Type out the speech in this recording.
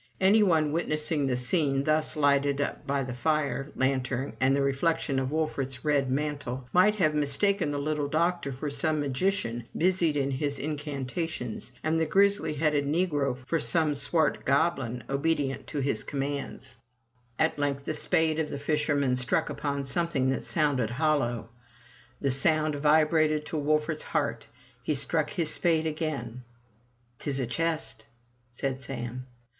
Any one witness ing the scene thus lighted up by fire, lantern, and the reflection of Wolfert's red mantle might have mistaken the little doctor for some magician busied in his incantations, and the grizzly headed negro for some swart goblin, obedient to his commands. 144 FROM THE TOWER WINDOW At length the spade of the fisherman struck upon something that sounded hollow. The sound vibrated to Wolfert's heart. He struck his spade again. *' Tis a chest/' said Sam.